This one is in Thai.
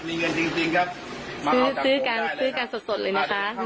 เลยกันเข้ามาครับมีใบเซอร์เลยนะครับ